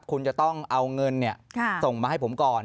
คุณจะต้องเอาเงินส่งมาให้ผมก่อน